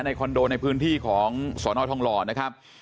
คอนโดในพื้นที่ของสอนอทองหล่อนะครับ